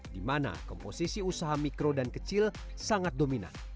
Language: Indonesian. dimana komposisi usaha mikro dan kecil sangat dominan